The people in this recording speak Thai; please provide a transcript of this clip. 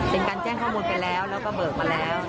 เป็นการแจ้งข้อมูลไปแล้วแล้วก็เบิกมาแล้ว